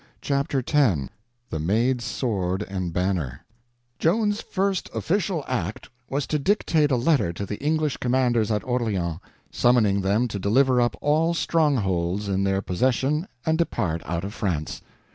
Chapter 10 The Maid's Sword and Banner JOAN'S first official act was to dictate a letter to the English commanders at Orleans, summoning them to deliver up all strongholds in their possession and depart out of France.